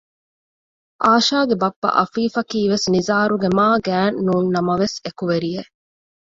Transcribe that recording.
އާޝާގެ ބައްޕަ އަފީފަކީވެސް ނިޒާރުގެ މާގާތް ނޫންނަމަވެސް އެކުވެރިއެއް